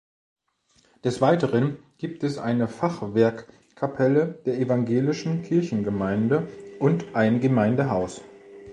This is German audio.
Des Weiteren gibt es eine Fachwerkkapelle der evangelischen Kirchengemeinde und ein Gemeindehaus.